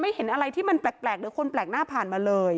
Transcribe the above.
เห็นอะไรที่มันแปลกหรือคนแปลกหน้าผ่านมาเลย